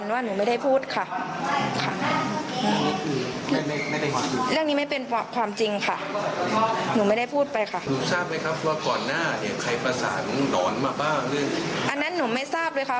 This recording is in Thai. ว่าเขาคุยกับใครยังไงหนุ่มไม่ทราบค่ะ